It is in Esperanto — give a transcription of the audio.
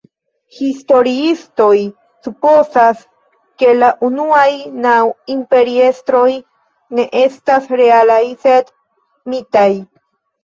Historiistoj supozas, ke la unuaj naŭ imperiestroj ne estas realaj, sed mitaj.